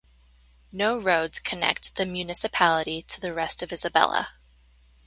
No roads connect the municipality to the rest of Isabela.